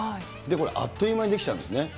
これ、あっという間に出来ちゃうんですね。